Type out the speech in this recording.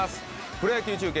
プロ野球中継